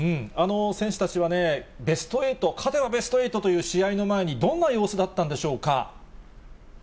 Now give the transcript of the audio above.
選手たちはベスト８、勝てばベスト８という試合の前に、どんな様子だったんでしょうか？